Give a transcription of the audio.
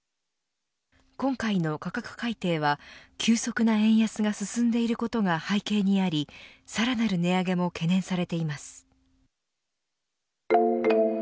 今回の価格改定は急速な円安が進んでいることが背景にありさらなる値上げも懸念されています。